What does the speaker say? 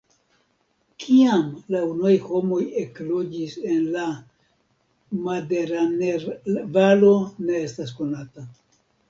Kiam la unuaj homoj ekloĝis en la Maderaner-Valo ne estas konata.